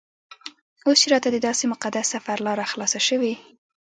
اوس چې راته دداسې مقدس سفر لاره خلاصه شوې.